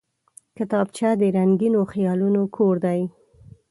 کتابچه د رنګینو خیالونو کور دی